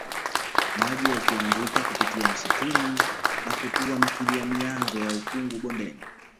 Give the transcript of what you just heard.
Maji yakianguka kupitia msituni na kutua mithili ya mianzo ya ukungu bondeni